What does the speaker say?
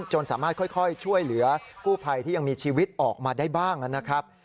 จนสามารถค่อยช่วยเหลือกู้ภัยที่ยังมีชีวิตออกมาได้บ้างนะครับ